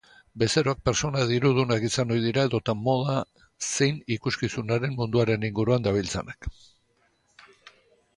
Bezeroak pertsona dirudunak izan ohi dira edota moda zein ikuskizunaren munduaren inguruan dabiltzanak.